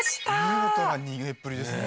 見事な逃げっぷりですね。